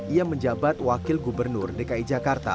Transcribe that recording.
ia menjabat wakil gubernur dki jakarta